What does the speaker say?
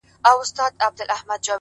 وير راوړي غم راوړي خنداوي ټولي يوسي دغه؛